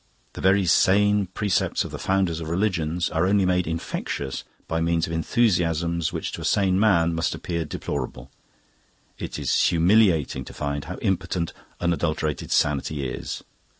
The very sane precepts of the founders of religions are only made infectious by means of enthusiasms which to a sane man must appear deplorable. It is humiliating to find how impotent unadulterated sanity is.